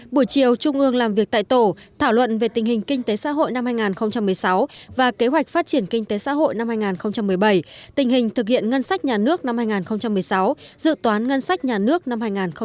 buổi chiều trung ương làm việc tại tổ thảo luận về tình hình kinh tế xã hội năm hai nghìn một mươi sáu và kế hoạch phát triển kinh tế xã hội năm hai nghìn một mươi bảy tình hình thực hiện ngân sách nhà nước năm hai nghìn một mươi sáu dự toán ngân sách nhà nước năm hai nghìn một mươi tám